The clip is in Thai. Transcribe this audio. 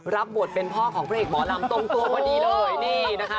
รับบทเป็นพ่อของพระเอกหมอลำตรงตัวพอดีเลยนี่นะคะ